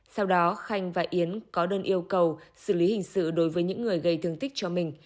sau đó khanh và yến có đơn yêu cầu xử lý hình sự đối với những người gây thương tích cho mình